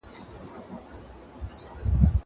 زه به درسونه لوستي وي!